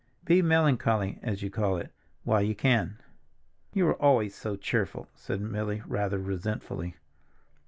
Be melancholy—as you call it—while you can." "You are always so cheerful," said Milly rather resentfully.